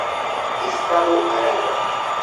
Estado Aragua.